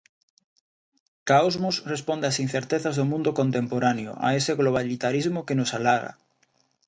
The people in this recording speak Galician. "Caosmos" responde ás incertezas do mundo contemporáneo, a ese globalitarismo que nos alaga.